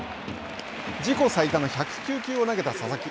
自己最多の１０９球を投げた佐々木。